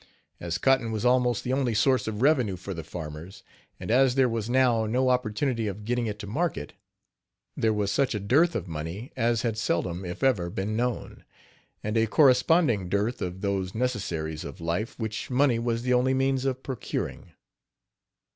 As cotton was almost the only source of revenue for the farmers, and as there was now no opportunity of getting it to market, there was such a dearth of money as had seldom, if ever, been known, and a corresponding dearth of those necessaries of life which money was the only means of procuring.